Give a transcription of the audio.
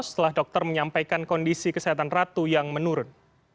setelah dokter menyampaikan kondisi kesehatan ratu yang menurun